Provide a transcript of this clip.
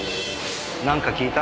なんか聞いた？